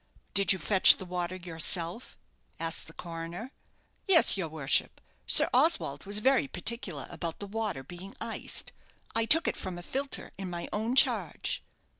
"Did you fetch the water yourself?" asked the coroner. "Yes, your worship Sir Oswald was very particular about the water being iced I took it from a filter in my own charge."